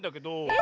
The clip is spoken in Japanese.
え？